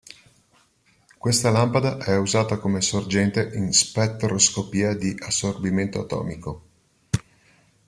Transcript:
Questa lampada è usata come sorgente in spettroscopia di assorbimento atomico.